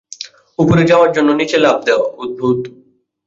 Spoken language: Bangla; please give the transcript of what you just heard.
উপরে যাওয়ার জন্য নিচে লাফ দেওয়া, অদ্ভূত।